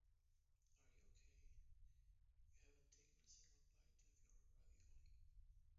Are you okay? You haven't taken a single bite of your ravioli.